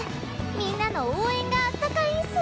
みんなの応援があったかいんす。